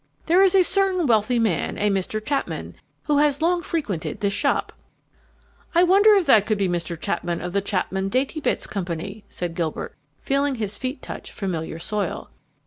There is a certain wealthy man, a Mr. Chapman, who has long frequented this shop " "I wonder if that could be Mr. Chapman of the Chapman Daintybits Company?" said Gilbert, feeling his feet touch familiar soil.